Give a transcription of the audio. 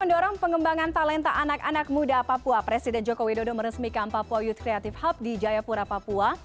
mendorong pengembangan talenta anak anak muda papua presiden joko widodo meresmikan papua youth creative hub di jayapura papua